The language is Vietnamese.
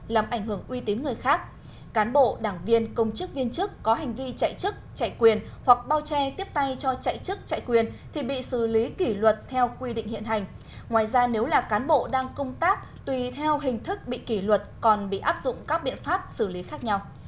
làm ảnh hưởng uy tín người khác cán bộ đảng viên công chức viên chức có hành vi chạy chức chạy quyền hoặc bao che tiếp tay cho chạy chức chạy quyền thì bị xử lý kỷ luật theo quy định hiện hành ngoài ra nếu là cán bộ đang công tác tùy theo hình thức bị kỷ luật còn bị áp dụng các biện pháp xử lý khác nhau